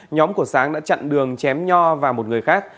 nhóm của sáng đã chặn đường chém nho vào một người khác